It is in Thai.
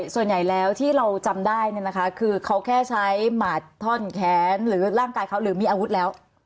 ส่วนใหญ่แล้วที่เราจำได้เนี่ยนะคะคือเขาแค่ใช้หมาดท่อนแขนหรือร่างกายเขาหรือมีอาวุธแล้ว